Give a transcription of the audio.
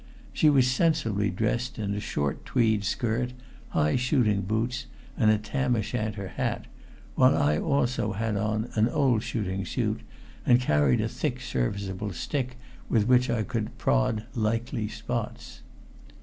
She was sensibly dressed in a short tweed skirt, high shooting boots and a tam o' shanter hat, while I also had on an old shooting suit and carried a thick serviceable stick with which I could prod likely spots.